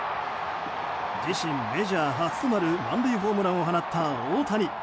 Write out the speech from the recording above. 自身メジャー初となる満塁ホームランを放った大谷。